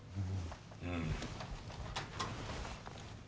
うん。